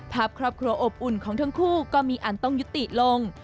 ภาพครอบครัวอบอุ่นของทั้งคู่ก็มีอันต้องยุติลง